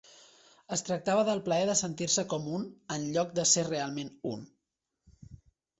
Es tractava del plaer de sentir-se com un en lloc de ser realment un.